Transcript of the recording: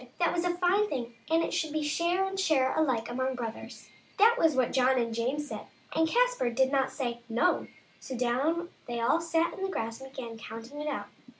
that was a fine thing, and it should be share and share alike among brothers; that was what John and James said, and Caspar did not say " No ;" so down they all sat on the grass and began counting it out.